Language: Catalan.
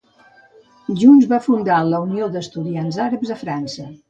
Junts van fundar la Unió d'Estudiants Àrabs a França.